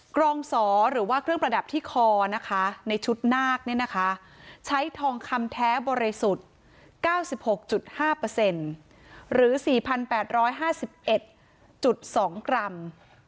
กรองสอหรือว่าเครื่องประดับที่คอนะคะในชุดนาคเนี่ยนะคะใช้ทองคำแท้บริสุทธิ์๙๖๕หรือ๔๘๕๑๒กรัม